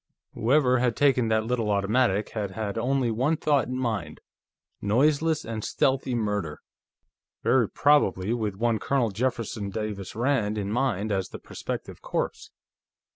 Whoever had taken that little automatic had had only one thought in mind noiseless and stealthy murder. Very probably with one Colonel Jefferson Davis Rand in mind as the prospective corpse.